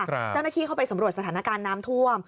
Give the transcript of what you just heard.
เจ้าหน้าที่เข้าไปสำรวจสถานการณ์น้ำท่วม